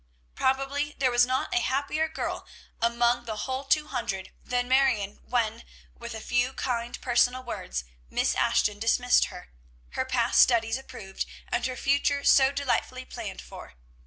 Probably there was not a happier girl among the whole two hundred than Marion when, with a few kind, personal words, Miss Ashton dismissed her. Her past studies approved, and her future so delightfully planned for.